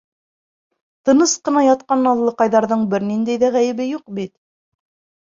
Тыныс ҡына ятҡан наҙлыҡайҙарҙың бер ниндәй ҙә ғәйебе юҡ бит.